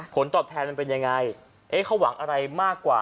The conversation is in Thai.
ผลตอบแทนมันเป็นยังไงเอ๊ะเขาหวังอะไรมากกว่า